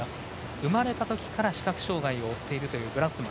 生まれたときから視覚障がいを負っているというブランスマ。